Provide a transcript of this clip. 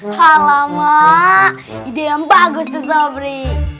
halamak ide yang bagus tuh sobri